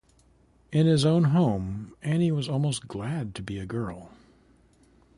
In his own home Annie was almost glad to be a girl.